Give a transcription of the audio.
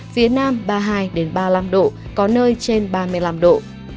phía nam ba mươi hai ba mươi năm độ có nơi trên ba mươi năm độ